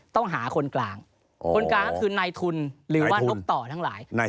ต้องหาคนกลางคนกลางก็คือนายทุนหรือว่านกต่อทั้งหลาย